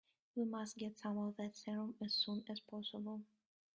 We must get some of that serum as soon as possible.